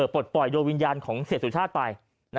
ปลดปล่อยโดยวิญญาณของเสียสุชาติไป